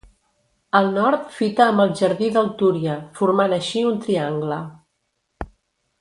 Al nord fita amb el jardí del Túria, formant així un triangle.